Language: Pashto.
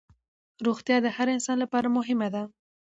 روغتیا د هر انسان لپاره مهمه ده